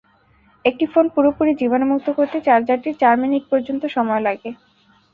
একটি ফোন পুরোপুরি জীবাণুমুক্ত করতে চার্জারটির চার মিনিট পর্যন্ত সময় লাগে।